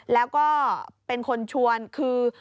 แล้วก็เป็นคนชวนคือ